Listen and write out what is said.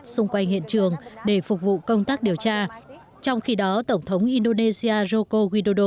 xung quanh hiện trường để phục vụ công tác điều tra trong khi đó tổng thống indonesia joko widodo